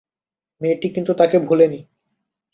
মেয়েটি কিন্তু তাকে ভুলেনি।